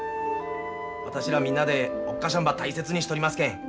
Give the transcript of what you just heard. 私らみんなでおっ母しゃんば大切にしとりますけん